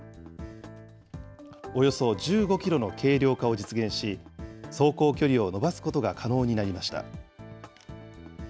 およそ１５キロの軽量化を実現し、走行距離をのばすことが可能になりました。